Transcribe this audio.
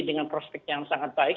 dengan prospek yang sangat baik